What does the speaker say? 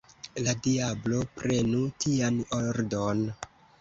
La diablo prenu tian ordon!